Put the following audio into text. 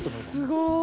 すごい！